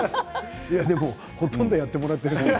ほとんどやってもらっているからね。